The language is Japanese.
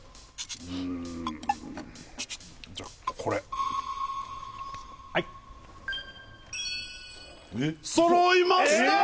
うんじゃこれはい揃いましたー！